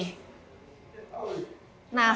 nah setelah udah bulat